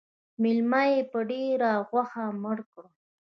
_مېلمه يې په ډېره غوښه مړ کړ.